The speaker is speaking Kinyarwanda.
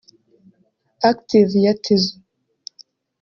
Active ya Tizzo